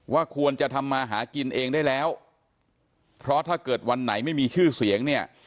ควรจะทำมาหากินเองได้แล้วเพราะถ้าเกิดวันไหนไม่มีชื่อเสียงเนี่ย